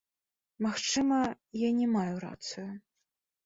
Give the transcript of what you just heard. Магчыма, я не мае рацыю.